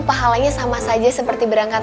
pahalanya sama saja seperti berangkat